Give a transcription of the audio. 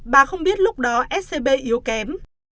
bà không biết lúc đó scb yếu kém